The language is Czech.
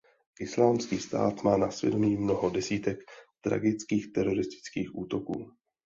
Islámský stát má na svědomí mnoho desítek tragických teroristických útoků.